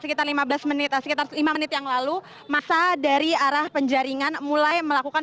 sekitar lima belas menit sekitar lima menit yang lalu masa dari arah penjaringan mulai melakukan